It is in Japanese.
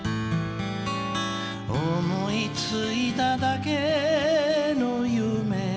「思いついただけの夢なんて